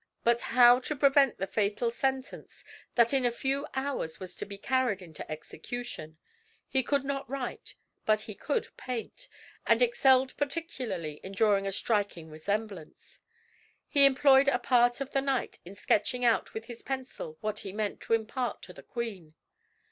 But how to prevent the fatal sentence that in a few hours was to be carried into execution! He could not write, but he could paint; and excelled particularly in drawing a striking resemblance. He employed a part of the night in sketching out with his pencil what he meant to impart to the queen.